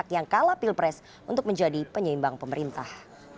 yang kalah pilpres untuk menjadi penyeimbang pemerintah